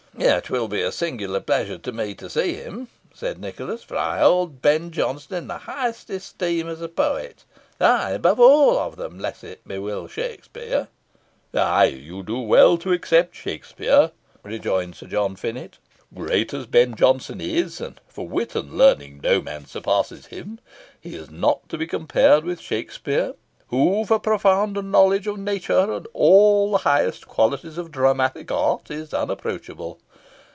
"It will be a singular pleasure to me to see him," said Nicholas; "for I hold Ben Jonson in the highest esteem as a poet ay, above them all, unless it be Will Shakspeare." "Ay, you do well to except Shakspeare," rejoined Sir John Finett. "Great as Ben Jonson is, and for wit and learning no man surpasses him, he is not to be compared with Shakspeare, who for profound knowledge of nature, and of all the highest qualities of dramatic art, is unapproachable.